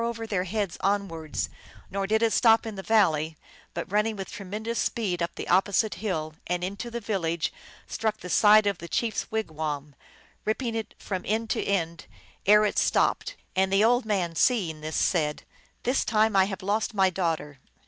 87 over their heads onwards ; nor did it stop in the val ley, but, running with tremendous speed up the op posite hill and into the village, struck the side of the chief s wigwam, ripping it up from end to end ere it stopped. And the old man, seeing this, said, " This time I have lost my daughter